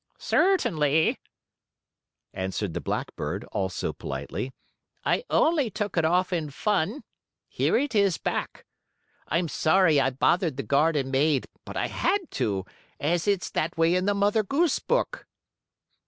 "Certainly," answered the blackbird, also politely. "I only took it off in fun. Here it is back. I'm sorry I bothered the garden maid, but I had to, as it's that way in the Mother Goose book."